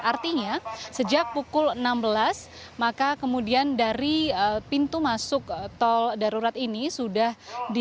artinya sejak pukul enam belas maka kemudian dari pintu masuk tol darurat ini sudah ditutup